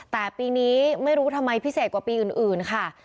แต่ปีนี้ไม่รู้ทำไมพิเศษกว่าปีอื่นค่ะ